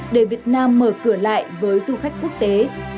để việt nam mở cửa lại với du khách quốc tế